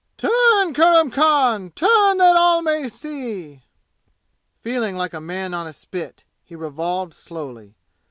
"Turn, Kurram Khan! Turn that all may see!" Feeling like a man on a spit, he revolved slowly.